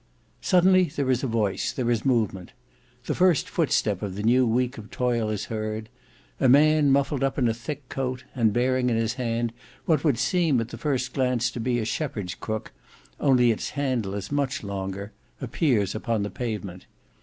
Suddenly there is a voice, there is movement. The first footstep of the new week of toil is heard. A man muffled up in a thick coat, and bearing in his hand what would seem at the first glance to be a shepherd's crook, only its handle is much longer, appears upon the pavement.